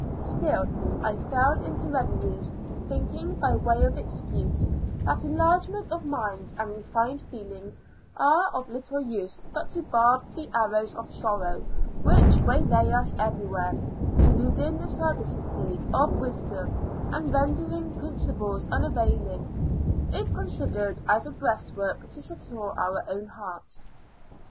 Still I fell into reveries, thinking, by way of excuse, that enlargement of mind and refined feelings are of little use but to barb the arrows of sorrow which waylay us everywhere, eluding the sagacity of wisdom and rendering principles unavailing, if considered as a breastwork to secure our own hearts.